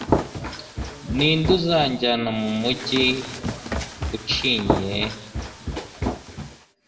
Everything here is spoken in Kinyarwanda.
Ni nde uzanjyana mu mugi ucinyiye